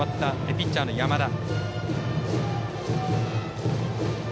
ピッチャーの山田。